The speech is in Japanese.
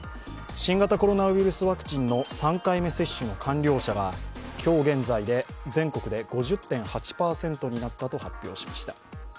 新型コロナウイルスワクチンの３回目接種の完了者が今日現在で全国で５０．８％になったと発表しました。